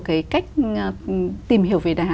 cái cách tìm hiểu về đá